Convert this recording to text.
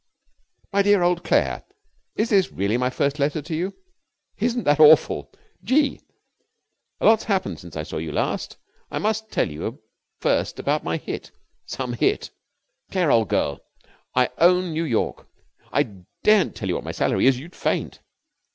MY DEAR OLD CLAIRE, Is this really my first letter to you? Isn't that awful! Gee! A lot's happened since I saw you last. I must tell you first about my hit. Some hit! Claire, old girl, I own New York. I daren't tell you what my salary is. You'd faint.